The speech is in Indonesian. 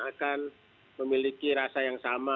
akan memiliki rasa yang sama